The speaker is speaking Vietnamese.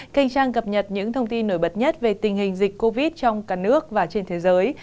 kênh trang cập nhật những thông tin nổi bật nhất về tình hình dịch covid trong cả nước và trên thế giới